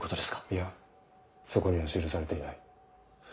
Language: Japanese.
いやそこには記されていない。